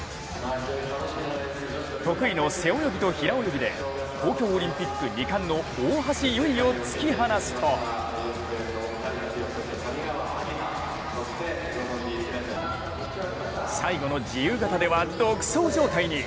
得意の背泳ぎと平泳ぎで東京オリンピック２冠の大橋悠依を突き放すと最後の自由形では独走状態に。